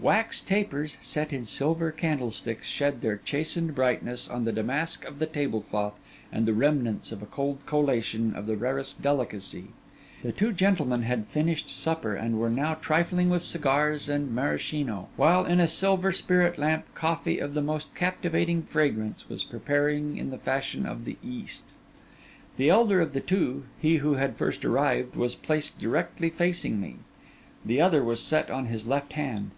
Wax tapers, set in silver candlesticks, shed their chastened brightness on the damask of the tablecloth and the remains of a cold collation of the rarest delicacy. The two gentlemen had finished supper, and were now trifling with cigars and maraschino; while in a silver spirit lamp, coffee of the most captivating fragrance was preparing in the fashion of the East. The elder of the two, he who had first arrived, was placed directly facing me; the other was set on his left hand.